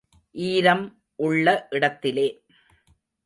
ஈரம் உள்ள இடத்திலே.